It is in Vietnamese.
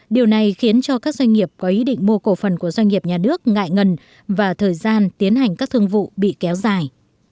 điều này khiến cho các doanh nghiệp có ý định mua cổ phần của doanh nghiệp nhà nước ngại ngần và thời gian tiến hành các thương vụ bị kéo dài